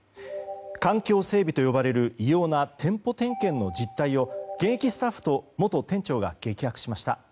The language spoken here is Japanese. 環境整備と呼ばれる異様な店舗点検の実態を現役スタッフと元店長が激白しました。